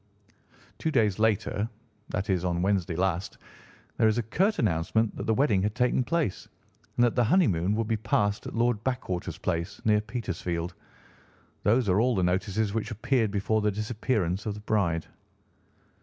Two days later—that is, on Wednesday last—there is a curt announcement that the wedding had taken place, and that the honeymoon would be passed at Lord Backwater's place, near Petersfield. Those are all the notices which appeared before the disappearance of the bride."